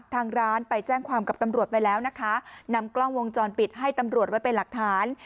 ทางร้านไปแจ้งความกับตำรวจไปแล้วนะคะนำกล้องวงจรปิดให้ตำรวจไว้เป็นหลักฐาน